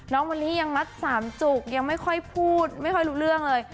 มะลิยังมัดสามจุกยังไม่ค่อยพูดไม่ค่อยรู้เรื่องเลย